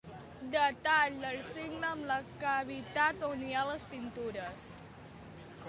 Detall del cingle amb la cavitat on hi ha les pintures.